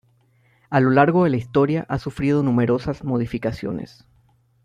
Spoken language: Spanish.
A lo largo de la historia ha sufrido numerosas modificaciones.